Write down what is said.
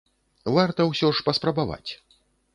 Варта ўсё ж паспрабаваць.